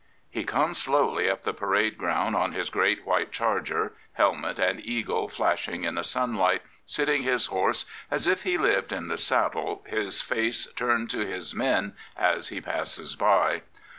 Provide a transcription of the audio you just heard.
*' He comes slowly up the parade ground on his great white charger, helmet and eagle flashing in the sun light, sitting his horse as if he lived in the saddle, his face^ turned to his men as he passes by.